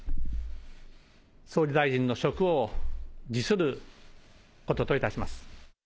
総理大臣の職を辞することといたします。